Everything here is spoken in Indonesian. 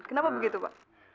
kenapa begitu pak